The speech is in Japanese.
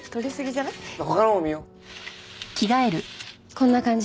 こんな感じ。